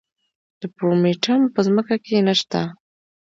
د پرومیټیم په ځمکه کې نه شته.